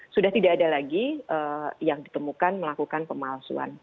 sudah tidak ada lagi yang ditemukan melakukan pemalsuan